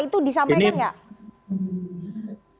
itu disampaikan tidak